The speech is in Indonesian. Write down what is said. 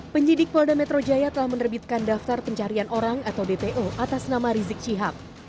penyidik polda metro jaya telah menerbitkan daftar pencarian orang atau dpo atas nama rizik syihab